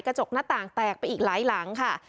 กระจกหน้าต่างแตกไปอีกหลายหลังค่ะ